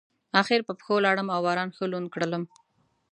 اخر په پښو لاړم او باران ښه لوند کړلم.